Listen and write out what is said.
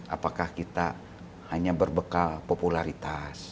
apakah kita hanya berbekal popularitas